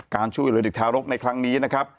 การช่วยเหลือเด็กทารกในครั้งนี้นะครับ